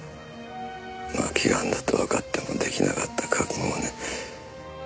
末期ガンだってわかってもできなかった覚悟がね。